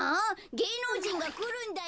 げいのうじんがくるんだよ！？